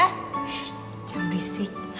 shh jangan berisik